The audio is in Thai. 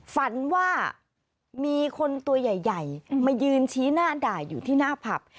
ฝันว่ามีคนตัวใหญ่มายืนชี้หน้าด่าอยู่ที่หน้าผับ